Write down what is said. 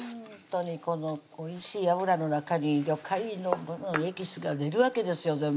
ほんとにこのおいしい油の中に魚介のエキスが出るわけですよ